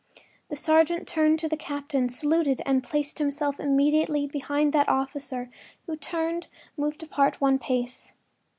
The sergeant turned to the captain, saluted and placed himself immediately behind that officer, who in turn moved apart one pace.